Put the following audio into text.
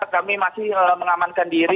kami masih mengamankan diri